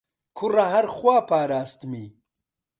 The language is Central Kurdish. کوڕە هەر خوا پاراستمی